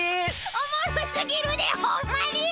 おもろすぎるでホンマに！